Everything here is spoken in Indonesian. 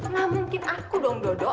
gak mungkin aku dong dodo